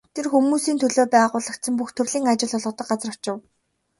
Тэр хүмүүсийн төлөө байгуулагдсан бүх төрлийн ажил олгодог газарт очив.